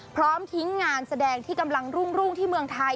พร้อมทิ้งงานแสดงที่กำลังรุ่งที่เมืองไทย